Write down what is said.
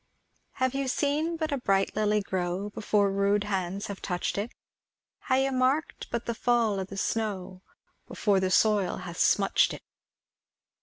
Have you seen but a bright lily grow, Before rude hands have touch'd it? Ha' you mark'd but the fall o' the snow, Before the soil hath smutch'd it?